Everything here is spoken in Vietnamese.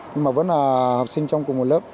nhưng mà vẫn là học sinh trong cùng một lớp